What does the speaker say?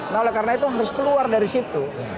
nah oleh karena itu harus keluar dari situ